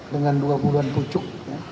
dengan dua bulan pucuk